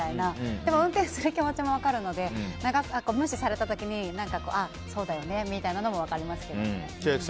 でも運転する気持ちも分かるので無視された時にそうだよねみたいなのも分かりますけどね。